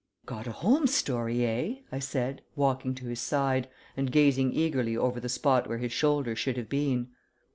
"Got a Holmes story, eh?" I said, walking to his side, and gazing eagerly over the spot where his shoulder should have been.